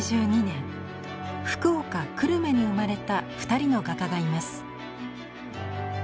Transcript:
１８８２年福岡久留米に生まれた二人の画家がいます。